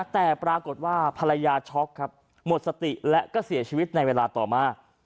แต่ปรากฏว่าภรรยาช็อกครับหมดสติและก็เสียชีวิตในเวลาต่อมา